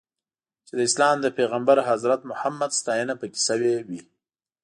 چې د اسلام د پیغمبر حضرت محمد ستاینه پکې شوې وي.